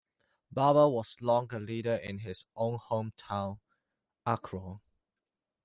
Barber was long a leader in his own home town, Akron.